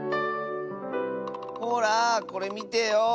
ほらこれみてよ。